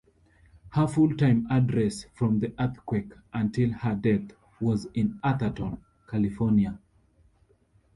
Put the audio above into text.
Her full-time address from the earthquake until her death was in Atherton, California.